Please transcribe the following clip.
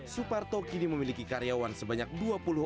suparto kini memiliki karyawan sebanyak dua puluh orang